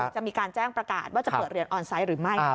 จะมีการแจ้งประกาศว่าจะเปิดเรียนออนไซต์หรือไม่